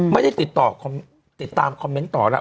ไม่ได้ติดตามคอมเมนต์ต่อหลาย